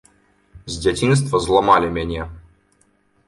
З дзяцінства зламалі мяне.